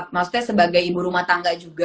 maksudnya sebagai ibu rumah tangga juga